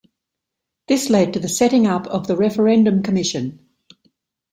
This led to the setting up of the Referendum Commission.